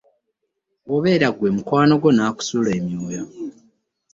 Bw’obeera ggwe mukwano gwo n’akusuula omwoyo.